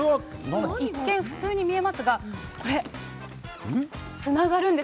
一見、普通に見えますが、これ、つながるんです。